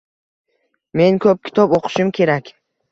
Men koʻp kitob oʻqishim kerak.